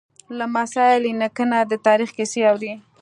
لمسی له نیکه نه د تاریخ کیسې اوري.